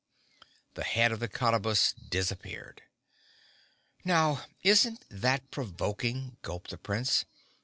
The head of the Cottabus disappeared. "Now isn't that provoking," gulped the Prince.